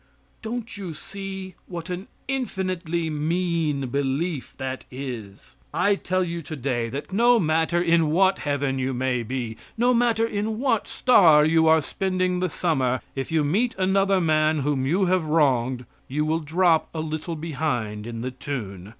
Don't you see what an infinitely mean belief that is? I tell you today that, no matter in what heaven you may be, no matter in what star you are spending the summer, if you meet another man whom you have wronged you will drop a little behind in the tune.